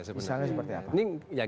misalnya seperti apa